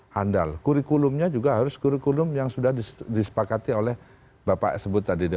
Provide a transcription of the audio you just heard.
handal kurikulumnya juga harus kurikulum yang sudah disepakati oleh bapak sebut tadi